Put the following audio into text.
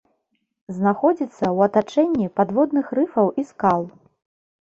Знаходзіцца ў атачэнні падводных рыфаў і скал.